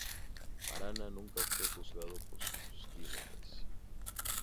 Arana nunca fue juzgado por sus crímenes.